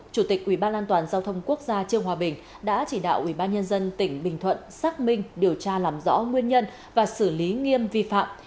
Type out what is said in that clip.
chủ tịch ubnd giao thông quốc gia trương hòa bình đã chỉ đạo ubnd tỉnh bình thuận xác minh điều tra làm rõ nguyên nhân và xử lý nghiêm vi phạm